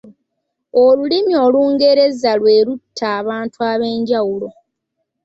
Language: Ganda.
Olulimi Olungereza lwe lutaba abantu ab’enjawulo.